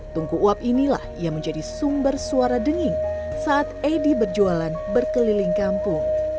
tungku uap inilah yang menjadi sumber suara denging saat edi berjualan berkeliling kampung